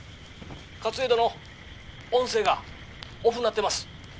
「勝家殿音声がオフになってます」。